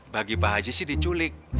bagi pak haji sih diculik